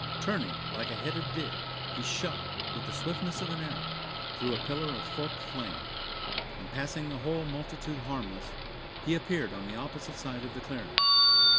Turning like a headed deer, he shot, with the swiftness of an arrow, through a pillar of forked flame, and passing the whole multitude harmless, he appeared on the opposite side of the clearing.